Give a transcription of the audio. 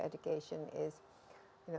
sebagai orang tua saya